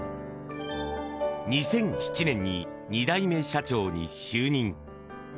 ２００７年に２代目社長に就任。